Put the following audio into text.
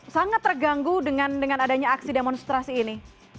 sangat terganggu dengan adanya aksi demonstrasi ini